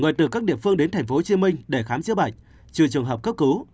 người từ các địa phương đến tp hcm để khám chữa bệnh trừ trường hợp cấp cứu